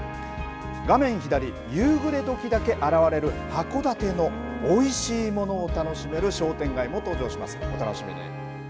画面左、夕暮れどきだけ現れる函館のおいしいものを楽しめる商店街も登場します。